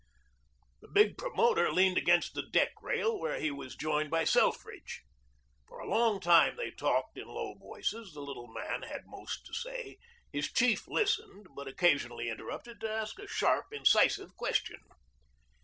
The big promoter leaned against the deck rail, where he was joined by Selfridge. For a long time they talked in low voices. The little man had most to say. His chief listened, but occasionally interrupted to ask a sharp, incisive question.